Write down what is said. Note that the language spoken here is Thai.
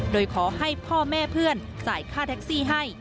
โดยขอให้พ่อแม่เพื่อนจ่ายค่าแท็กซี่ให้